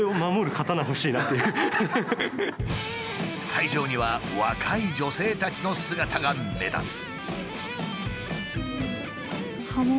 会場には若い女性たちの姿が目立つ。